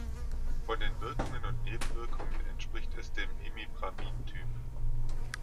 Von den Wirkungen und Nebenwirkungen entspricht es dem Imipramin-Typ.